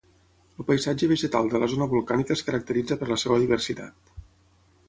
El paisatge vegetal de la zona volcànica es caracteritza per la seva diversitat.